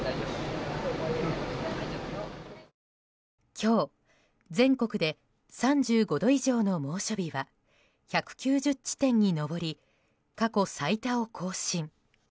今日、全国で３５度以上の猛暑日は１９０地点に上り過去最多を更新。